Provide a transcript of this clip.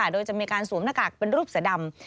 โดยจะมีการสวมหน้ากากเป็นรูปเสือดำ